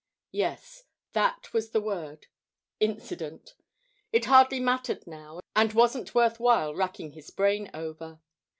Yes, that was the word "incident". It hardly mattered now, and wasn't worth while racking his brain over.